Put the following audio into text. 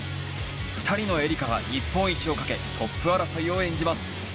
２人のエリカが日本一をかけトップ争いを演じます。